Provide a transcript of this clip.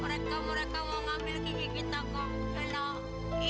mereka mereka mau ngambil gigi kita kok